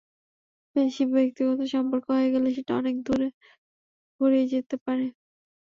বেশি ব্যক্তিগত সম্পর্ক হয়ে গেলে সেটা অনেক দূর গড়িয়ে যেতে পারে।